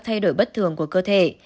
các thay đổi bất thường của cơ thể